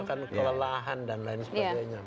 oh iya kelelahan dan lain sebagainya